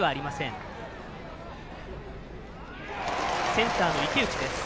センターの池内です。